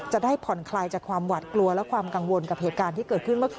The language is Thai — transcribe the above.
จะได้ผ่อนคลายจากความหวัดกลัวและความกังวลกับเหตุการณ์ที่เกิดขึ้นเมื่อคืน